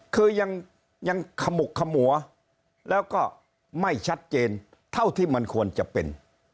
คือยังขมุกขมัวแล้วก็ไม่ชัดเจนเท่าที่มันควรจะเป็น